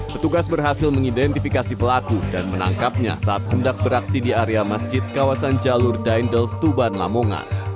petugas berhasil mengidentifikasi pelaku dan menangkapnya saat hendak beraksi di area masjid kawasan jalur dendels tuban lamongan